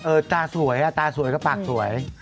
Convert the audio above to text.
เออตาสวยตาสวยก็ปากสวย